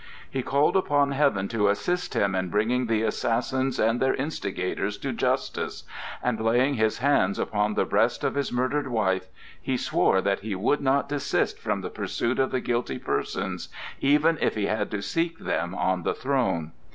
He called upon Heaven to assist him in bringing the assassins and their instigators to justice, and laying his hands upon the breast of his murdered wife, he swore that he would not desist from the pursuit of the guilty persons, even if he had to seek them on the throne.